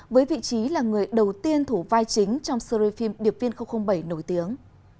với vị trí là người đầu tiên thủ vai chính trong series phim điệp viên bảy nổi tiếng